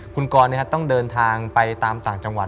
คุณกรต้องเดินทางไปตามต่างจังหวัด